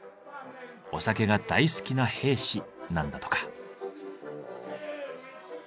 お酒が大好きな兵士なんだとか。